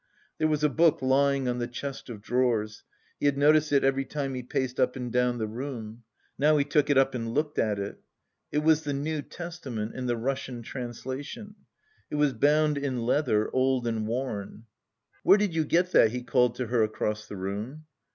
There was a book lying on the chest of drawers. He had noticed it every time he paced up and down the room. Now he took it up and looked at it. It was the New Testament in the Russian translation. It was bound in leather, old and worn. "Where did you get that?" he called to her across the room.